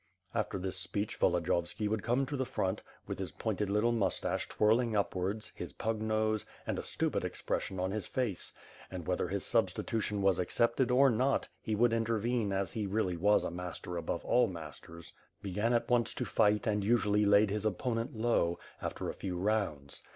After this speech Volodiyovski would come to the front, with his pointed little moustache twirling upwards, his pug nose, and a stupid expression on his face; and, whether his substitution was accepted or not, he would intervene as he really was a master above all masters began at once to fight and usually laid his opponent low, after a few rounds.